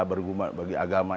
berguna bagi agama